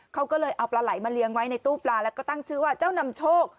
เขาก็เลยเอาปลาไหลมาเลี้ยงไว้ในตู้ปลาแล้วก็ตั้งชื่อว่าเจ้านำโชค